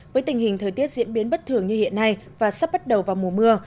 với tình hình thời tiết diễn biến bất thường như hiện nay và sắp bắt đầu vào mùa mưa